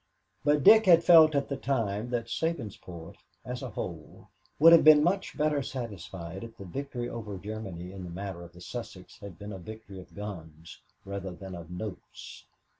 But Dick had felt at the time that Sabinsport, as a whole, would have been much better satisfied if the victory over Germany in the matter of the Sussex had been a victory of guns rather than of notes.